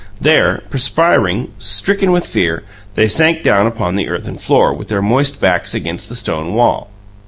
There, perspiring, stricken with fear, they sank down upon the earthen floor, with their moist backs against the stone wall.